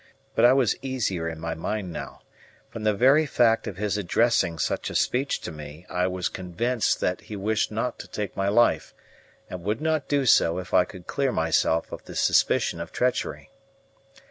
But I was easier in my mind now. From the very fact of his addressing such a speech to me I was convinced that he wished not to take my life, and would not do so if I could clear myself of the suspicion of treachery.